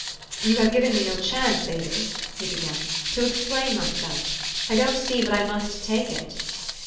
" You have given me no chance, Avis," he began, " to explain myself: I don't see but I must take it."